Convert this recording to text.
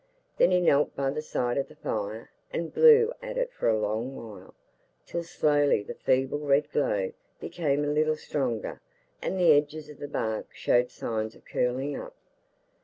Then he knelt by the side of the fire and blew at it for a long while, till slowly the feeble red glow became a little stronger and the edges of the bark showed signs of curling up.